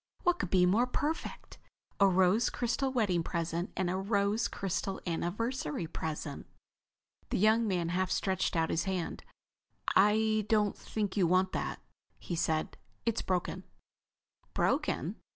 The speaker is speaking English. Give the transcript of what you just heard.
What could be more perfect? A rose crystal wedding present and a rose crystal anniversary present!" The young man half stretched out his hand. "I don't think you want that," he said. "It's broken." "Broken?"